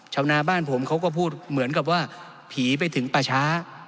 นาบ้านผมเขาก็พูดเหมือนกับว่าผีไปถึงป่าช้า